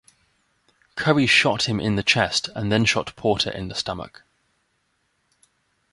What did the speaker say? Currie shot him in the chest and then shot Porter in the stomach.